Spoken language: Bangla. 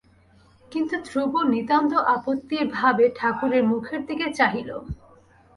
কিন্তু ধ্রুব নিতান্ত আপত্তির ভাবে ঠাকুরের মুখের দিকে চাহিল।